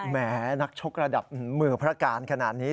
แม้นักชกระดับมือพระการขนาดนี้